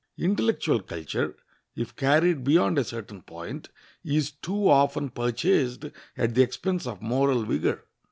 Intellectual culture, if carried beyond a certain point, is too often purchased at the expense of moral vigor.